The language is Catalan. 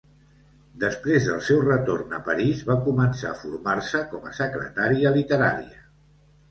Després del seu retorn a París va començar a formar-se com a secretària literària.